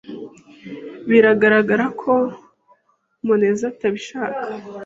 Biragaragara ko Muneza atabishaka.